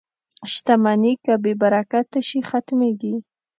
• شتمني که بې برکته شي، ختمېږي.